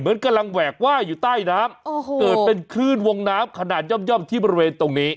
กำลังแหวกว่ายอยู่ใต้น้ำเกิดเป็นคลื่นวงน้ำขนาดย่อมที่บริเวณตรงนี้